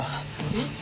えっ？